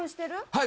はい。